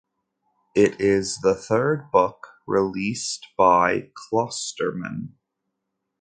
It is the third book released by Klosterman.